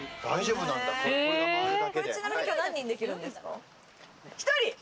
今日ちなみにこれ何人できるんですか？